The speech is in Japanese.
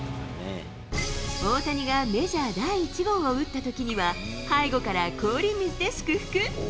大谷がメジャー第１号を打ったときには、背後から氷水で祝福。